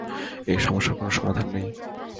এই সমস্যার কোনো সমাধান নেই।